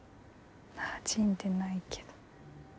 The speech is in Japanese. なじんでないけど。